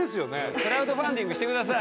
クラウドファンディングしてください。